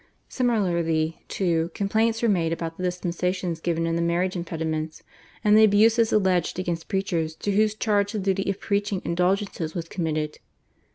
Similarly, too, complaints were made about the dispensations given in the marriage impediments, and the abuses alleged against preachers to whose charge the duty of preaching indulgences was committed.